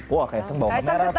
wah kaisang bawang merah tuh